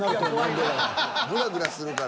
グラグラするから。